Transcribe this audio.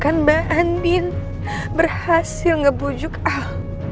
kan mbak andin berhasil ngebujuk ah